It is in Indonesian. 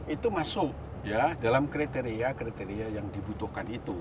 itu masuk dalam kriteria kriteria yang dibutuhkan itu